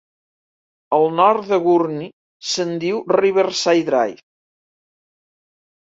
Al nord de Gurnee, se'n diu Riverside Drive.